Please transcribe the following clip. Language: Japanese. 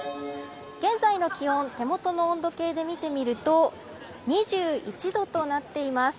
現在の気温手元の温度計で見てみると２１度となっています。